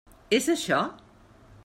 És això?